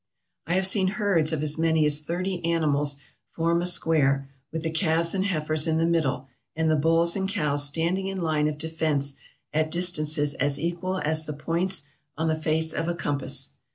"I have seen herds of as many as thirty animals form a square, with the calves and heifers in the middle, and the bulls and cows standing in line of defence at distances as equal as the points on the face of a compass.